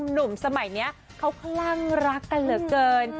หนุ่มสมัยนี้เขาคลั่งรักกันเหลือเกิน